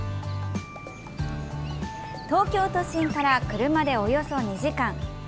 東京都心から車で、およそ２時間。